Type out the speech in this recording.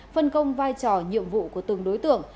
phân công vai trò nhiệm vụ của từng đối tượng